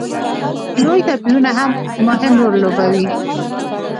لوی توپیرونه هم مهم رول لوبوي.